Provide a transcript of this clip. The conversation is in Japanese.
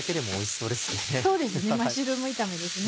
そうですね